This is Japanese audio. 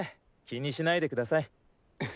気にしないでください。